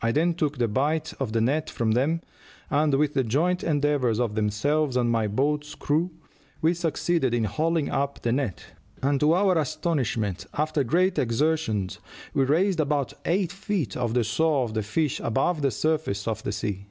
I then took the bight of the net from them, and with the joint endeavors of themselves and my boat's crew we succeeded in hauling up the net, and to our astonishment, after great exertions, we raised about eight feet of the saw of the fish above the surface of the sea.